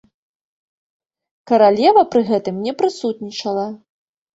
Каралева пры гэтым не прысутнічала.